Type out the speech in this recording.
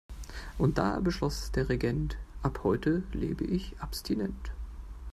Und da beschloss der Regent: Ab heute lebe ich abstinent.